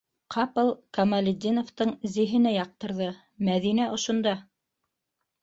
Ҡапыл Камалетдиновтың зиһене яҡтырҙы: Мәҙинә ошонда!